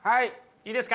いいですか？